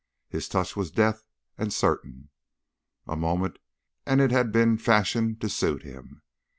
His touch was deft and certain; a moment and it had been fashioned to suit him.